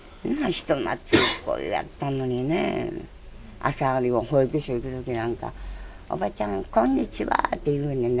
人懐っこい、やったのにね、朝、保育所行くときなんか、おばちゃん、こんにちはって言うねんね。